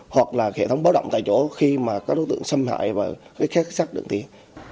hoặc là hệ thống báo động tại chỗ khi mà có đối tượng xâm hại và khép sát được tiến